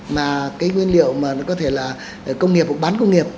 mà cái nguyên liệu mà nó có thể là công nghiệp bán công nghiệp